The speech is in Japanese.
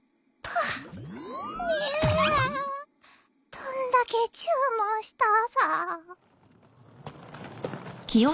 どんだけ注文したさ。